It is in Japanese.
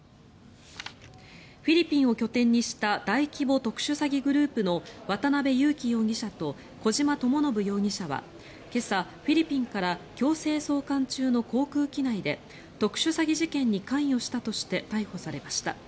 フィリピンを拠点にした大規模特殊詐欺グループの渡邉優樹容疑者と小島智信容疑者は今朝フィリピンから強制送還中の航空機内で特殊詐欺事件に関与したとして逮捕されました。